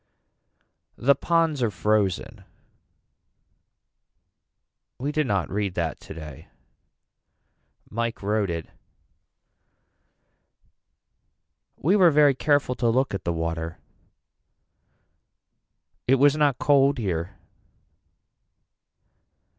The ponds are frozen. We did not read that today. Mike wrote it. We were very careful to look at the water. It was not cold here.